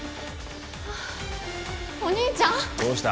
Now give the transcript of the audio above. あっお兄ちゃんどうした？